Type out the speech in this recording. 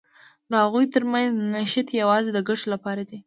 د هغوی تر منځ نښتې یوازې د ګټو لپاره دي.